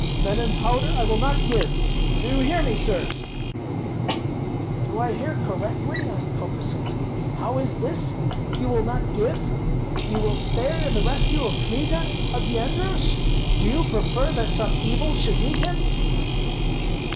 "Men and powder I will not give. Do you hear me, sirs!" "Do I hear correctly?" asked Kokosinski. "How is this? You will not give? You will spare in the rescue of Kmita, of Yendrus? Do you prefer that some evil should meet him?"